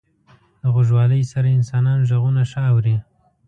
• د غوږوالۍ سره انسانان ږغونه ښه اوري.